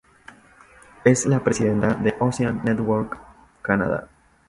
Es la presidenta de Ocean Networks Canada.